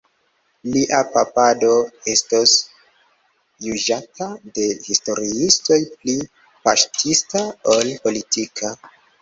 Lia papado estos juĝata de historiistoj pli paŝtista ol politika.